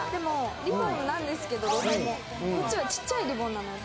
リボンなんですけどちっちゃいリボンなので